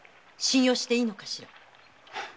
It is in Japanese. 信用していいのかしら？